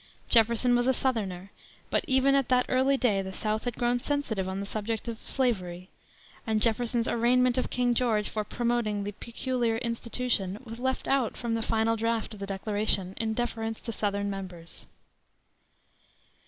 Jefferson was a southerner, but even at that early day the South had grown sensitive on the subject of slavery, and Jefferson's arraignment of King George for promoting the "peculiar institution" was left out from the final draft of the Declaration in deference to southern members.